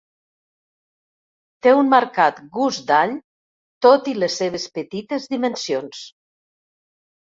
Té un marcat gust d'all tot i les seves petites dimensions.